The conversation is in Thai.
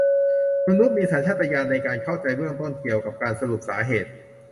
มนุษย์มีสัญชาตญาณในการเข้าใจเบื้องต้นเกี่ยวกับการสรุปสาเหตุ